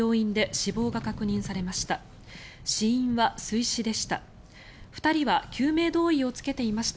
死因は水死でした。